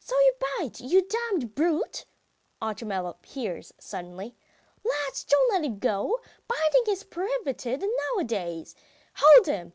"So you bite, you damned brute?" Otchumyelov hears suddenly. "Lads, don't let him go! Biting is prohibited nowadays! Hold him!